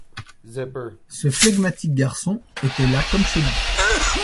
Ce phlegmatique garçon était là comme chez lui !